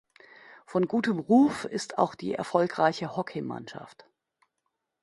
Von gutem Ruf ist auch die erfolgreiche Hockeymannschaft.